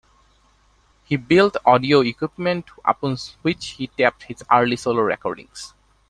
He built audio equipment upon which he taped his early solo recordings.